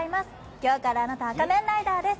今日からあなたは仮面ライダーです。